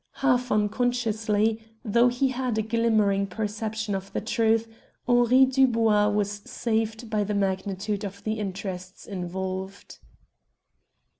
Half unconsciously, though he had a glimmering perception of the truth, Henri Dubois was saved by the magnitude of the interests involved.